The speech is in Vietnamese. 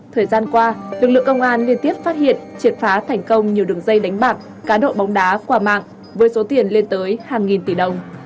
thời gian qua lực lượng công an liên tiếp phát hiện triệt phá thành công nhiều đường dây đánh bạc cá độ bóng đá qua mạng với số tiền lên tới hàng nghìn tỷ đồng